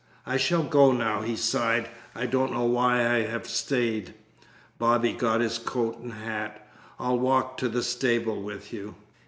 "I shall go now." He sighed. "I don't know why I have stayed." Bobby got his coat and hat. "I'll walk to the stable with you."